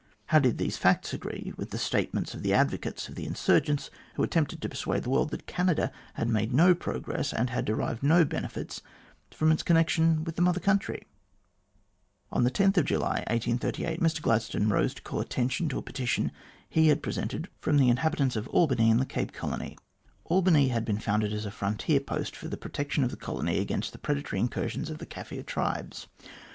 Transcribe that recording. How did these facts agree with the statements of the advocates of the insurgents, who attempted to persuade the world that Canada had made no progress, and had derived no benefits from its connection with the Mother Country ? On July 10, 1838, Mr Gladstone rose to call attention to a petition he had presented from the inhabitants of Albany 228 THE GLADSTONE COLONY in the Cape Colony. Albany had been founded as a frontier post for the protection of the colony against the predatory incursions of the Kaffir tribes.